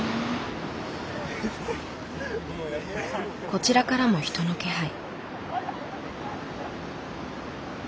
こちらからも人の気配。